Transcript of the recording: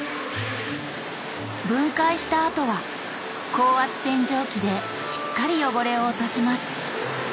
分解したあとは高圧洗浄機でしっかり汚れを落とします。